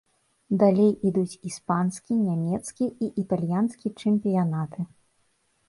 Далей ідуць іспанскі, нямецкі і італьянскі чэмпіянаты.